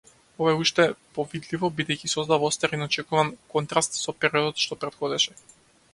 Ова е уште повидливо бидејќи создава остар и неочекуван контраст со периодот што претходеше.